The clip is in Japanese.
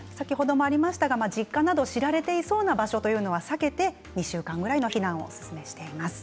実家など知られていそうな場所というのは避けて２週間ぐらいの避難をおすすめします。